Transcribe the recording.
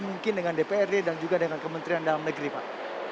mungkin dengan dprd dan juga dengan kementerian dalam negeri pak